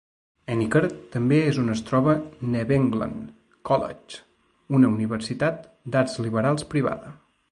Henniker també és on es troba New England College, una universitat d'arts liberals privada.